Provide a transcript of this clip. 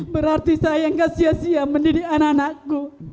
berarti saya tidak sia sia mendidik anak anakku